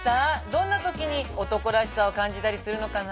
どんな時に男らしさを感じたりするのかな？